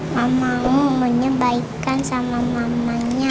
mama mau menyabaikan sama mamanya